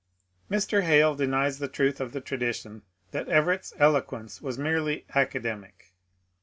Mr. Hale denies the truth of the tradition that Everett's eloquence was merely academic.